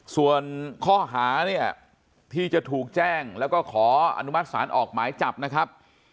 ส่วนข้อหาเนี่ยที่จะถูกแจ้งแล้วก็ขออนุมัติศาลออกหมายจับนะครับ